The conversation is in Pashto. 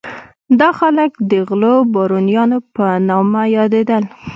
دا خلک د غلو بارونیانو په نوم یادېدل.